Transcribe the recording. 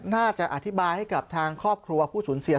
น่าจะอธิบายให้กับทางครอบครัวผู้สูญเสีย